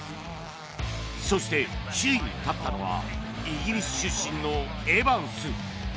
そして、首位に立ったのはイギリス出身のエバンス！